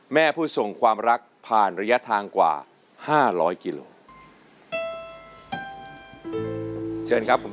ผู้ส่งความรักผ่านระยะทางกว่า๕๐๐กิโล